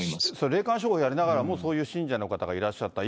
霊感商法やりながらもそういう信者の方がいらっしゃった。